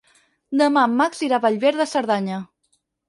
Demà en Max irà a Bellver de Cerdanya.